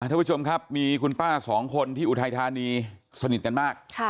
ทุกผู้ชมครับมีคุณป้าสองคนที่อุทัยธานีสนิทกันมาก